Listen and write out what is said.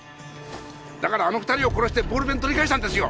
だからあの２人を殺してボールペン取り返したんですよ！